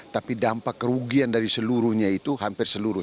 tapi dampak kerugian dari seluruhnya itu hampir seluruh